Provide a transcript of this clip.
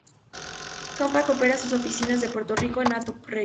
Compaq opera sus oficinas de Puerto Rico en Hato Rey.